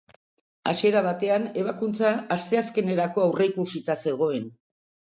Hasiera batean, ebakuntza asteazkenerako aurreikusita zegoen.